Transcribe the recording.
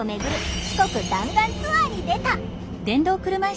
四国弾丸ツアーに出た！